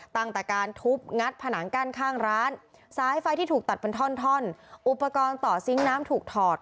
ตั้งแต่การทุบงัดผนังกั้นข้างร้านสายไฟที่ถูกตัดเป็นท่อนอุปกรณ์ต่อซิงค์น้ำถูกถอด